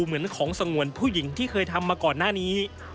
เหมือนของสงวนผู้หญิงที่เคยทำมาก่อนหน้านี้